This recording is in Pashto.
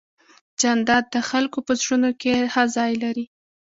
جانداد د خلکو په زړونو کې ښه ځای لري.